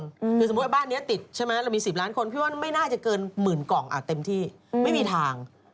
คือสมมุติคอย่างว่าบ้านเนี้ยติดใช่ไหมแล้วมี๑๐ล้านคนไม่น่าจะเกินหมื่นกล่องอ่ะเต็มที่ไม่มีทาง